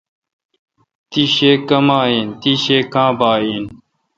تی شی کما این؟ تی شی کا ں باگہ این۔